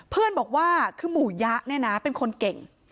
เพื่อนบอกว่าคือหมู่ยะเนี่ยนะเป็นคนเก่ง